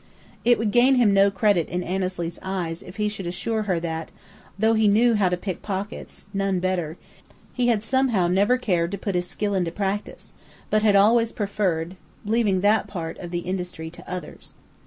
It would gain him no credit in Annesley's eyes if he should assure her that, though he knew how to pick pockets none better he had somehow never cared to put his skill in practice, but had always preferred, leaving that part of the industry to others.